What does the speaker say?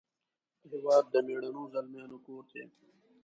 د هیواد د میړنو زلمیانو کور دی .